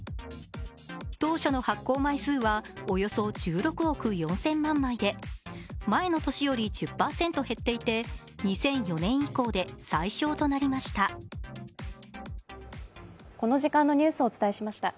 当初の発行枚数はおよそ１６億４０００万枚で前の年より１０％減っていて２００４年以降で最少となりました。